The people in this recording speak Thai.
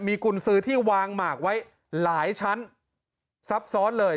มีกุญสือที่วางหมากไว้หลายชั้นซับซ้อนเลย